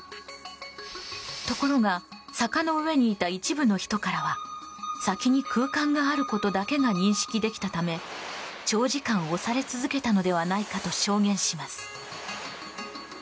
ところが、坂の上にいた一部の人からは先に空間があることだけは認識できたため長時間押され続けたのではないかと証言します。